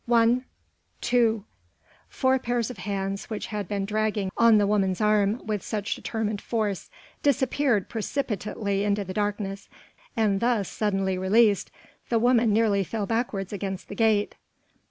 "One two " Four pairs of hands, which had been dragging on the woman's arm with such determined force, disappeared precipitately into the darkness, and thus suddenly released, the woman nearly fell backwards against the gate.